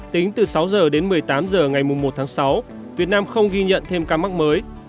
tính từ sáu h đến một mươi tám h ngày một tháng sáu việt nam không ghi nhận thêm ca mắc mới